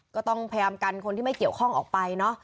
ก็ต้องพยายามกันคนที่ไม่เกี่ยวข้องออกไปเนอะ